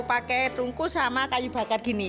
pakai tungku sama kayu bakar gini